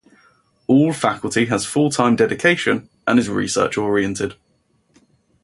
All faculty has full-time dedication and is research oriented.